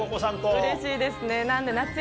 うれしいですね。